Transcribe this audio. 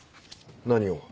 何を？